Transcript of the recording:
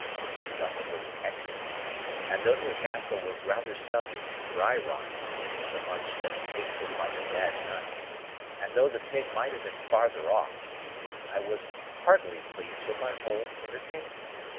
The supper was excellent; and though the Castle was rather subject to dry rot insomuch that it tasted like a bad nut, and though the pig might have been farther off, I was heartily pleased with my whole entertainment.